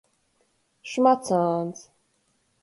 Šmacāns.